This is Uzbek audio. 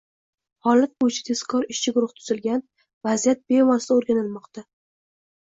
Holat bo‘yicha tezkor ishchi guruh tuzilgan, vaziyat bevosita o‘rganilmoqda